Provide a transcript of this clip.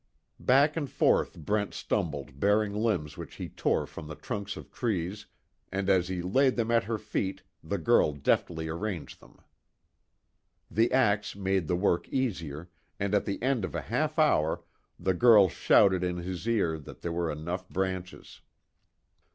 Back and forth Brent stumbled bearing limbs which he tore from the trunks of trees, and as he laid them at her feet the girl deftly arranged them. The ax made the work easier, and at the end of a half hour the girl shouted in his ear that there were enough branches.